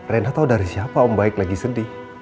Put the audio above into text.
rena tau dari siapa om baik lagi sedih